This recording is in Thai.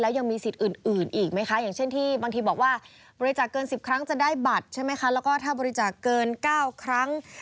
แล้วยังมีสิทธิ์อื่นอีกไหมคะ